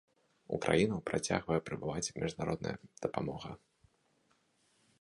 У краіну працягвае прыбываць міжнародная дапамога.